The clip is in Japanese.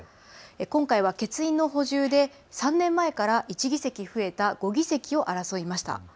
今回は欠員の補充で３年前から１議席増えた５議席を争いました。